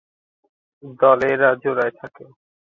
দলে এরা জোড়ায় থাকে।